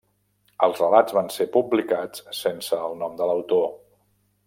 Els relats van ser publicats sense el nom de l'autor.